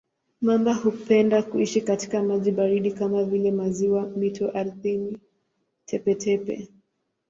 Mamba hupenda kuishi katika maji baridi kama vile maziwa, mito, ardhi tepe-tepe.